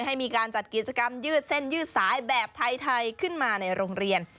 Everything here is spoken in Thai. ให้มีการจัดกิจกรรมยืดเส้นยืดสายแบบไทยขึ้นมาในโรงเรียน